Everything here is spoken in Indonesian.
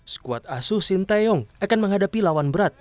skuad asuh sintayong akan menghadapi lawan berat